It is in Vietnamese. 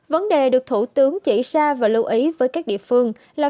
vấn đề được thủ tướng chỉ ra và lưu ý với các địa phương là